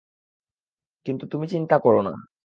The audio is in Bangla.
কিন্তু তুমি চিন্তা কোরো না।